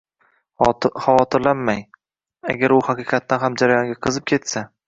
Xavotirlanmang, agar u haqiqatdan ham jarayonga qiziqib ketsa